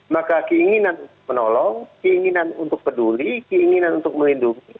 maka keinginan untuk menolong keinginan untuk peduli keinginan untuk melindungi